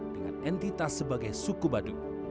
dengan entitas sebagai suku badu